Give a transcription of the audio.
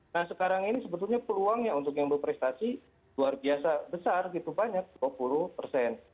nah sekarang ini sebetulnya peluangnya untuk yang berprestasi luar biasa besar gitu banyak dua puluh persen